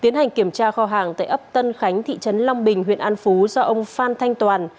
tiến hành kiểm tra kho hàng tại ấp tân khánh thị trấn long bình huyện an phú do ông phan thanh toàn